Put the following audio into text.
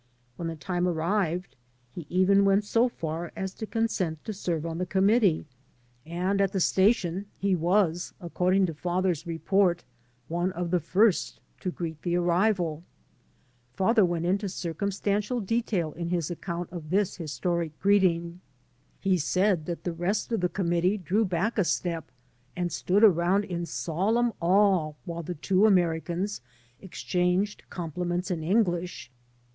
When the time arrived he even went so far as to consent to serve on the committee, 10 THE PROPHET FROM AMERICA and at the station he n^as, accordmg to father's report^ one of the first to greet the arrival. Father went mto drcumstantial detail in his account of this historic greeting. He said that the rest of the committee drew back a step and stood around in solemn awe while the two Americans exchanged compliments in English.